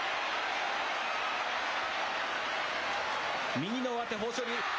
右の上手、豊昇龍。